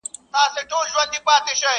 o اوبه په کمزورې ورخ ماتېږي!